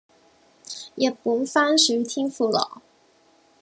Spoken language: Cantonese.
日本番薯天婦羅